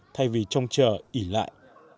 thay vì trông chờ ỉ lại